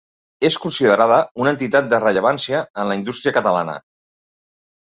És considerada una entitat de rellevància en la indústria catalana.